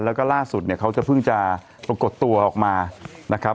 แล้วก็ล่าสุดเขาจะพึ่งจะปรากฏตัวออกมา